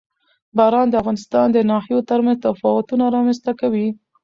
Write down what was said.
باران د افغانستان د ناحیو ترمنځ تفاوتونه رامنځ ته کوي.